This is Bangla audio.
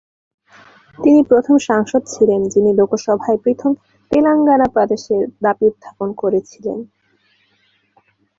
তিনি প্রথম সাংসদ ছিলেন যিনি লোকসভায় পৃথক তেলেঙ্গানা প্রদেশের দাবি উত্থাপন করেছিলেন।